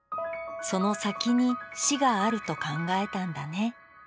その先に死があると考えたんだね